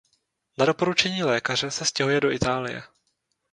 Na doporučení lékaře se stěhuje do Itálie.